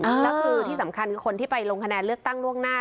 แล้วคือที่สำคัญคือคนที่ไปลงคะแนนเลือกตั้งล่วงหน้า